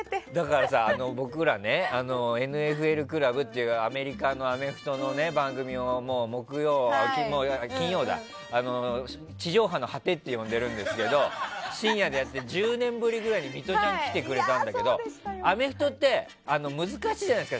僕ら「ＮＦＬ倶楽部」っていうアメフトの番組を金曜地上波の果てって呼んでるんですけど深夜でやってる１０年ぶりぐらいにミトちゃんが来てくれたんだけどアメフトって難しいじゃないですか。